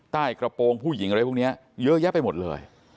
กระโปรงผู้หญิงอะไรพวกนี้เยอะแยะไปหมดเลย